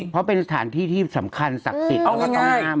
เพราะเป็นสถานที่ที่สำคัญศักดิ์สิทธิ์แล้วก็ต้องห้าม